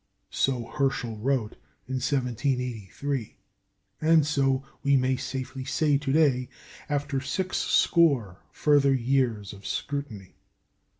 So Herschel wrote in 1783, and so we may safely say to day, after six score further years of scrutiny.